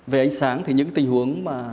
về ánh sáng thì những tình huống mà